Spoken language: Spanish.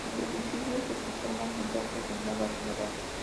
Los edificios se transformaron entonces en una base naval.